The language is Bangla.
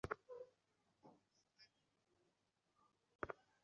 তোকে দেখতে পাচ্ছি!